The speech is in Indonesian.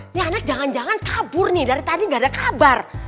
ini anak jangan jangan kabur nih dari tadi nggak ada kabar